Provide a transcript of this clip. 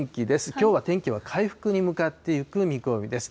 きょうは天気は回復に向かっていく見込みです。